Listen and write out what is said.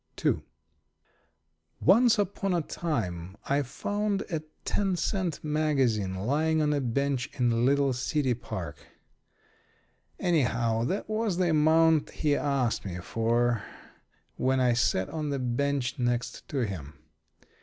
II Once upon a time I found a ten cent magazine lying on a bench in a little city park. Anyhow, that was the amount he asked me for when I sat on the bench next to him.